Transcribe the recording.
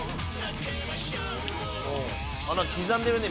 刻んでるね